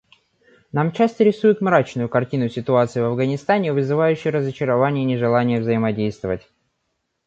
Нам часто рисуют мрачную картину ситуации в Афганистане, вызывающую разочарование и нежелание взаимодействовать.